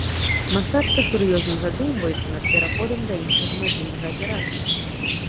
Мастачка сур'ёзна задумваецца над пераходам да іншага мабільнага аператара.